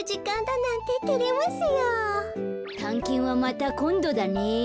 たんけんはまたこんどだね。